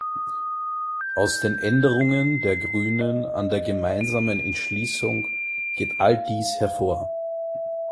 Aus den Änderungen der Grünen an der gemeinsamen Entschließung geht all dies hervor.